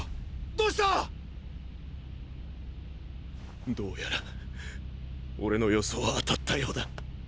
⁉どうした⁉どうやら俺の予想は当たったようだ。